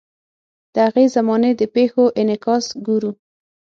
د هغې زمانې د پیښو انعکاس ګورو.